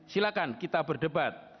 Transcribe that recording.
silakan kita berdebat